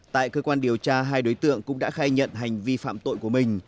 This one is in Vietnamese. tại cơ quan điều tra hai đối tượng cũng đã khai nhận hành vi phạm tội của mình